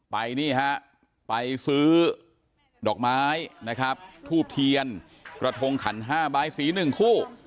ไปนี่ฮะไปซื้อดอกไม้นะครับทูบเทียนกระทงขัน๕ใบสี๑คู่